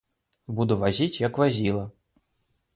Буду вазіць як вазіла.